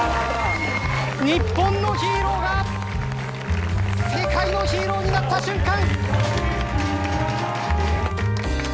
日本のヒーローが世界のヒーローになった瞬間！